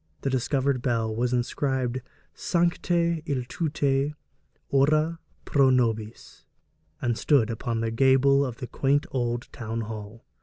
The discovered bell was inscribed 'Sancte Iltute, ora pro nobis,' and stood upon the gable of the quaint old town hall.